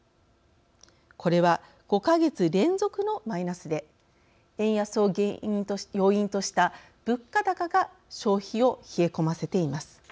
これは５か月連続のマイナスで円安を要因とした物価高が消費を冷え込ませています。